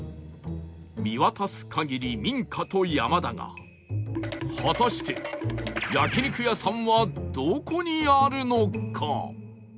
見渡す限り民家と山だが果たして焼肉屋さんはどこにあるのか？